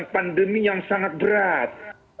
pandemi yang sangat berat